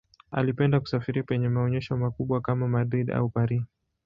Alipenda kusafiri penye maonyesho makubwa kama Madrid au Paris.